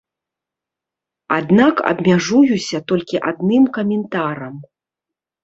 Аднак абмяжуюся толькі адным каментарам.